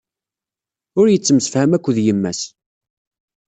Ur yettemsefham akked yemma-s.